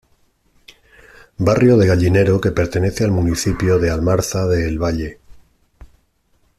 Barrio de Gallinero que pertenece al municipio de Almarza, de El Valle.